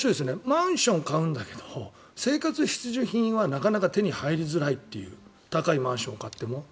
マンション買うんだけど生活必需品はなかなか手に入りづらいっていう高いマンションを買っても。